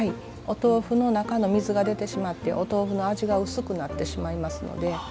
お豆腐の中の水が出てしまってお豆腐の味が薄くなってしまいますので。